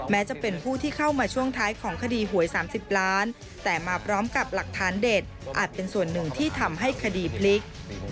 แม้จะเป็นผู้ที่เข้ามาช่วงท้ายของคดีหวย๓๐ล้านแต่มาพร้อมกับหลักฐานเด็ดอาจเป็นส่วนหนึ่งที่ทำให้คดีพลิก